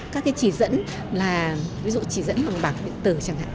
các cái chỉ dẫn là ví dụ chỉ dẫn bằng bảng điện tử chẳng hạn